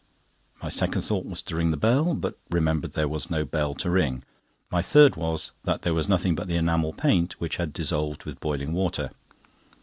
My second thought was to ring the bell, but remembered there was no bell to ring. My third was, that there was nothing but the enamel paint, which had dissolved with boiling water.